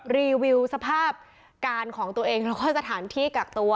รีวิวสภาพการของตัวเองแล้วก็สถานที่กักตัว